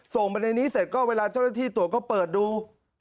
ส่งไปในนี้เสร็จก็เวลาเจ้าหน้าที่ตรวจก็เปิดดู